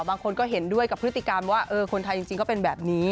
บางคนก็เห็นด้วยกับพฤติกรรมว่าคนไทยจริงก็เป็นแบบนี้